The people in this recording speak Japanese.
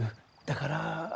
だから。